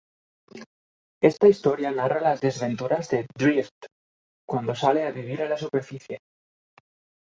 Esta historia narra las desventuras de "Drizzt" cuando sale a vivir a la superficie.